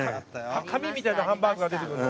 紙みたいなハンバーグが出てくるの。